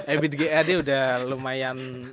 ebit ghd udah lumayan